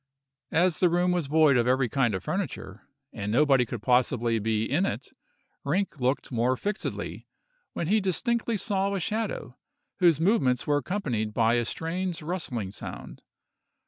As the room was void of every kind of furniture, and nobody could possibly be in it, Rinck looked more fixedly, when he distinctly saw a shadow, whose movements were accompanied by a strange rustling sound.